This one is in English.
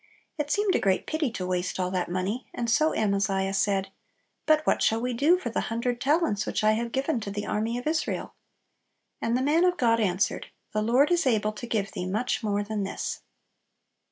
It seemed a great pity to waste all that money, and so Amaziah said, "But what shall we do for the hundred talents which I have given to the army of Israel? And the man of God answered, The Lord is able to give thee much more than this."